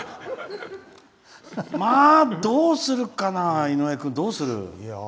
まあ、どうするかな井上君、どうする？